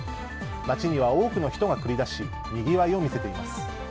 街には多くの人が繰り出しにぎわいを見せています。